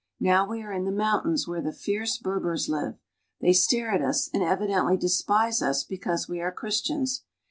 Now we are i the mountains where the fierce Berbers live; they stare] at us and evidently despise us because we are Christians.